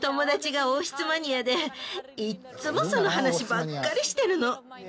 いっつもその話ばっかりしてるの。